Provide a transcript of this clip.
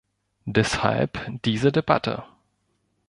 Deshalb diese Debatte.